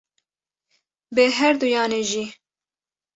Bi herduyan e jî.